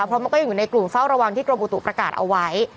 เพราะมันก็ยังอยู่ในกลุ่มเฝ้าระวังที่กรมอุตุประกาศเอาไว้